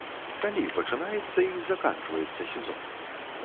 Калі пачынаецца і заканчваецца сезон?